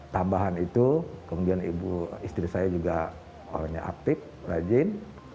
tambahan itu kemudian ibu istri saya juga orangnya aktif rajin